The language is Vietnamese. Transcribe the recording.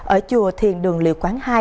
ở chùa thiền đường liệu quán hai